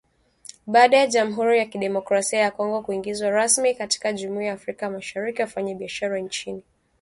Baada ya Jamhuri ya Kidemokrasia ya Kongo kuingizwa rasmi katika Jumuiya ya Afrika Mashariki, wafanyabiashara nchini Uganda wamehamasika